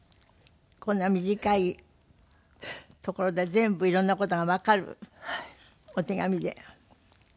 こんな短いところで全部いろんな事がわかるお手紙で。